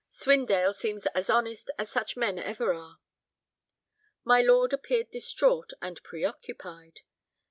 Swindale seems as honest as such men ever are." My lord appeared distraught and preoccupied.